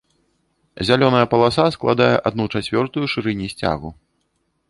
Зялёная паласа складае адну чацвёртую шырыні сцягу.